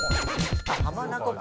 浜名湖か。